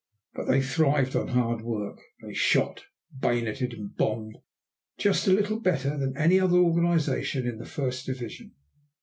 But they thrived on hard work. They shot, bayoneted, and bombed just a little better than any other organization in the first division.